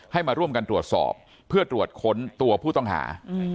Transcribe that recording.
ให้มาร่วมกันตรวจสอบเพื่อตรวจค้นตัวผู้ต้องหา